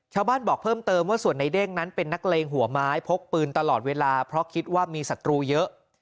ชาวบ้านบอกเพิ่มเติมว่าส่วนในเด้งนั้นเป็นนักเลงหัวไม้พกปืนตลอดเวลาเพราะคิดว่ามีศัตรูเยอะ